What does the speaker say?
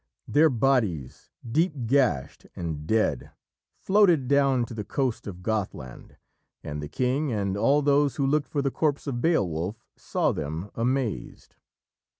Their bodies, deep gashed and dead, floated down to the coast of Gothland, and the king and all those who looked for the corpse of Beowulf saw them, amazed.